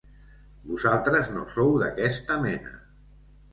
Vosaltres no sou d'aquesta mena!